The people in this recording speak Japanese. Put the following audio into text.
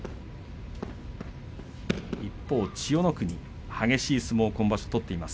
一方、千代の国激しい相撲を取っています。